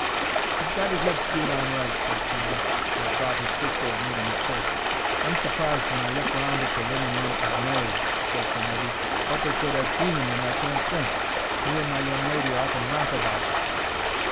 "He's got his 'ead screwed on right," ses Sam, wot thought his sister 'ad made a mistake. "I'm surprised when I look round at the wimmen men 'ave married," ses the nevy; "wot they could 'ave seen in them I can't think. Me and my young lady often laugh about it."